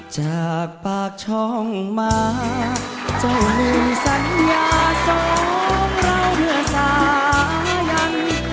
จากปากช่องมาเจ้ามือสัญญาสองเราเมื่อสายัน